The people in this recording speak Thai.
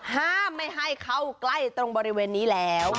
ห้ามไม่ให้เข้าใกล้ตรงบริเวณนี้แล้ว